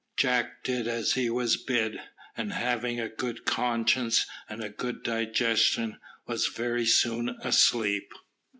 Jack did as he was bid, and, having a good conscience and a good digestion, was very soon asleep.